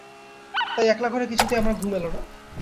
তাই একলা-ঘরে কিছুতেই আমার ঘুম এল না।